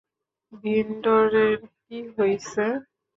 ভিন্ডরের কী হইছে?